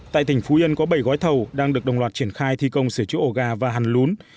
tại tỉnh phú yên có bảy gói thầu đang được đồng loạt triển khai thi công sửa chữa ổ gà và hành lún